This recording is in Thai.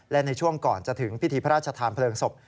และในช่วงก่อนจะถึงพิธีพระราชทานเพลิงศพ